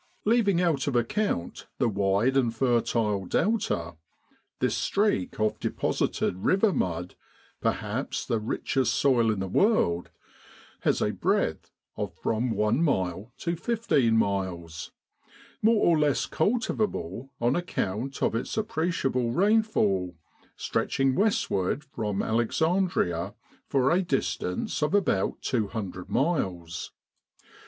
Leaving out of account the wide and fertile Delta, this streak of deposited river mud, perhaps the richest soil in the world, has a breadth of from one mile to fifteen miles. There is also the coast line, more or less cultivable on account of its appreciable rainfall, stretching westward from Alexandria for a distance of about 200 miles.